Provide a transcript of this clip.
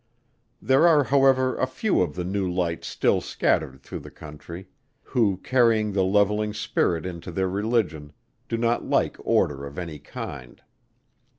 There are however a few of the New Lights still scattered through the country, who carrying the levelling spirit into their religion, do not like order of any kind.